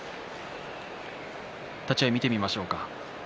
立ち合いを見てみましょう。